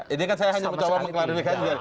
ini kan saya hanya mencoba mengklarifikasi